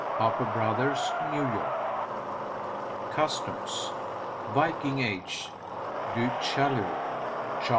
Harper Bros., New York. CUSTOMS "Viking Age," Du Chaillu.